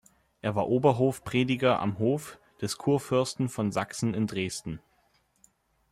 Er war Oberhofprediger am Hof des Kurfürsten von Sachsen in Dresden.